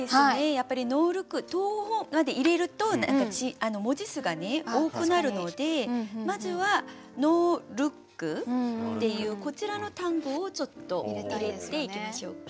やっぱり「ノールック投法」まで入れると文字数がね多くなるのでまずは「ノールック」っていうこちらの単語をちょっと入れていきましょうか。